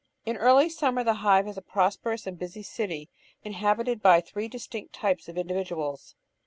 In early summer the hive is a prosperous and busy city, inhabited by three distinct types of individuals.